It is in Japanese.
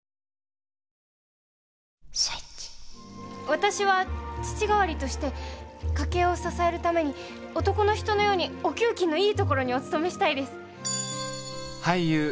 私は父代わりとして家計を支えるために男の人のようにお給金のいい所にお勤めしたいです。